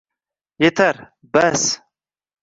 Yetar! Bas!